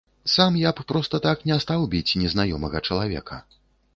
Сам я б проста так не стаў біць незнаёмага чалавека.